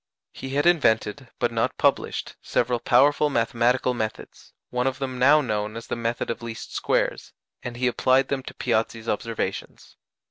He had invented but not published several powerful mathematical methods (one of them now known as "the method of least squares"), and he applied them to Piazzi's observations.